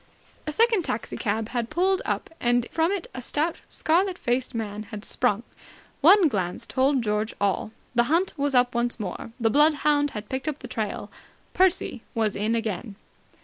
A second taxi cab had pulled up, and from it a stout, scarlet faced young man had sprung. One glance told George all. The hunt was up once more. The bloodhound had picked up the trail. Percy was in again!